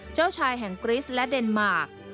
เจ้าชายแห่งกริสและเดนมาร์ค